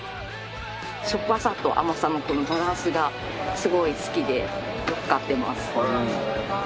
しょっぱさと甘さのこのバランスがすごい好きでよく買ってます。